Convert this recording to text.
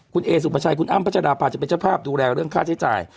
คุณเอสุภาชัยคุณอ้ำพัชราภาจะเป็นเจ้าภาพดูแลเรื่องค่าใช้จ่าย